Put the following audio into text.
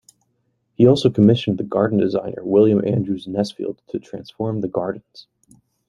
He also commissioned the garden designer William Andrews Nesfield to transform the gardens.